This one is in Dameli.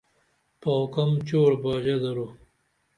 پاو کم چور باژہ درو